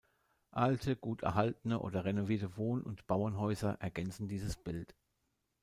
Alte, gut erhaltene oder renovierte Wohn- und Bauernhäuser ergänzen dieses Bild.